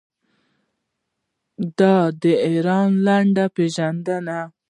دا دی د ایران لنډه پیژندنه.